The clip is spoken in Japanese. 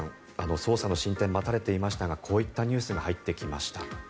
捜査の進展、待たれていましたがこういったニュースが入ってきました。